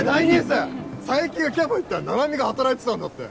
佐伯がキャバ行ったら七海が働いてたんだって。